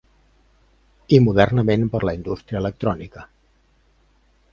I modernament per la indústria electrònica.